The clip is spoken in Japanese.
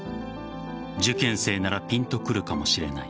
受験生ならピンとくるかもしれない。